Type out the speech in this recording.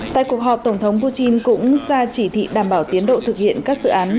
tại cuộc họp tổng thống putin cũng ra chỉ thị đảm bảo tiến độ thực hiện các dự án